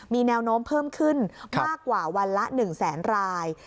มีแนวโน้มเพิ่มขึ้นมากกว่าวันละ๑แสนราย